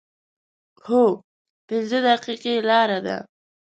هو، پنځه دقیقې لاره ده